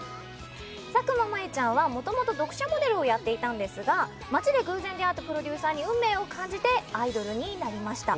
佐久間まゆちゃんはもともと読者モデルをやっていたんですが街で偶然出会ったプロデューサーに運命を感じてアイドルになりました。